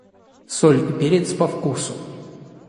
Соль и перец по вкусу.